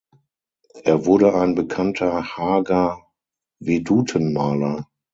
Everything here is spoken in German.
Er wurde ein bekannter Haager Vedutenmaler.